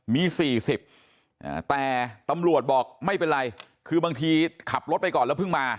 มี๔๐แต่ตำรวจบอกไม่เป็นไรคือบางทีขับรถไปก่อนแล้วเพิ่งมา